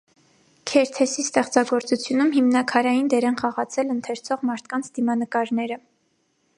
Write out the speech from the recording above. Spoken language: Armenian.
Քերթեսի ստեղծագործությունում հիմնաքարային դեր են խաղացել ընթերցող մարդկանց դիմանկարները։